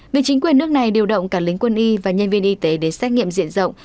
việc chính quyền nước này điều động cả lính quân y và nhân viên y tế đến xét nghiệm diện rộng